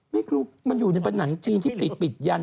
ไม่รู้มันอยู่ในผนังจีนที่ติดยัน